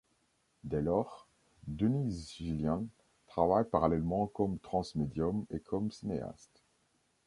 Dès lors, Denise Gilliand travaille parallèlement comme trans-médium et comme cinéaste.